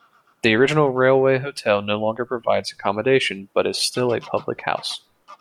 The original Railway Hotel no longer provides accommodation but is still a public house.